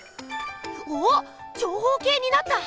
おっ長方形になった！